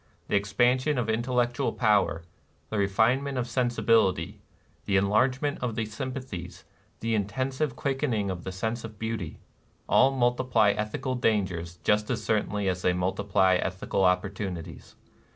The expansion of intel lectual power, the refinement of sensibility, the enlargement of the sympathies, the in tensive quickening of the sense of beauty, — all multiply ethical dangers just as certainly as they multiply ethical opportunities.